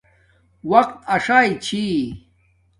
وقت اݽݵ چھی